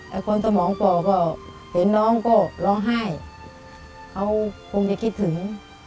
คนสมองป่อก็เห็นร้องก็ร้องไห้เขาคงจะคิดถึง